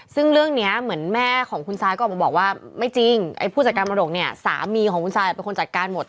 ซึ่งเรื่องนี้เหมือนแม่ของคุณซายก็ออกมาบอกว่าไม่จริงไอ้ผู้จัดการมรดกเนี่ยสามีของคุณซายเป็นคนจัดการหมด